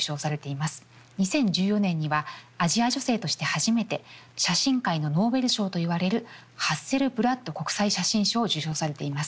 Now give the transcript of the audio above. ２０１４年にはアジア女性として初めて写真界のノーベル賞といわれるハッセルブラッド国際写真賞を受賞されています。